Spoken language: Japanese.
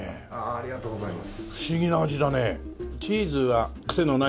ありがとうございます。